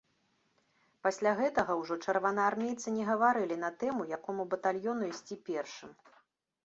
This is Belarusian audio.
Пасля гэтага ўжо чырвонаармейцы не гаварылі на тэму, якому батальёну ісці першым.